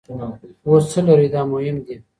اوس څه لرئ دا مهم دي.